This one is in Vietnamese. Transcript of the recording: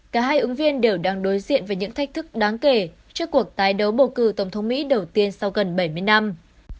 cả hai ứng viên đều đang đối diện với những thách thức đáng kể trước cuộc tái đấu bầu cử tổng thống mỹ đầu tiên sau gần bảy mươi năm